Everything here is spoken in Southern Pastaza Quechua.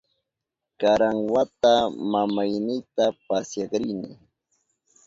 Karan wata mamaynita pasyak rini.